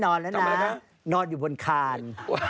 นอนอยู่บนคาน